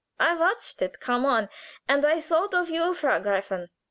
I watched it coming on, and I thought of you, Frau Gräfin.